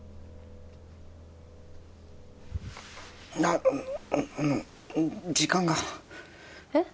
あじ時間が。えっ？